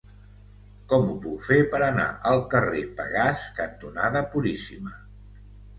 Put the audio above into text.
Com ho puc fer per anar al carrer Pegàs cantonada Puríssima?